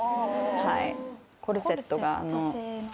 はいコルセットが女性の？